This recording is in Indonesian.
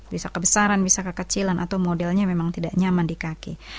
bisa kebesaran bisa kekecilan atau modelnya memang tidak nyaman di kaki